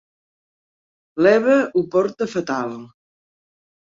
L'Eva ho porta fatal.